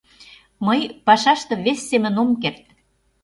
— Мый пашаште вес семын ом керт.